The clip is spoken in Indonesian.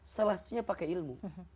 salah satunya pakai ilmu